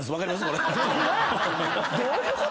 これ。